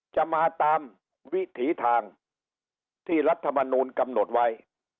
จะมาตามวิถีทางที่รัฐมนูลกำหนดไว้